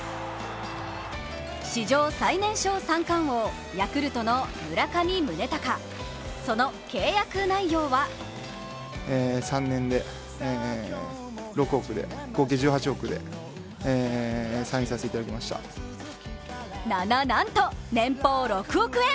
史上最年少３冠王、ヤクルトの村上宗隆、その契約内容はな、な、なんと、年俸６億円！